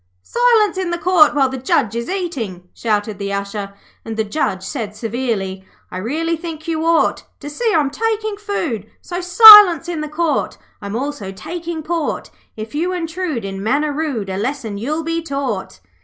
'Silence in the Court while the Judge is eating,' shouted the Usher; and the Judge said severely 'I really think you ought To see I'm taking food, So, Silence in the Court! (I'm also taking port), If you intrude, in manner rude, A lesson you'll be taught.'